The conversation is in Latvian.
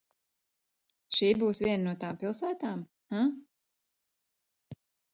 Šī būs viena no tām pilsētām, huh?